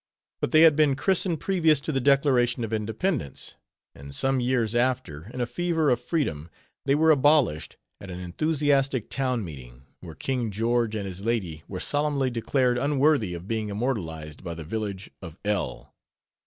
But they had been christened previous to the Declaration of Independence; and some years after, in a fever of freedom, they were abolished, at an enthusiastic town meeting, where King George and his lady were solemnly declared unworthy of being immortalized by the village of L—.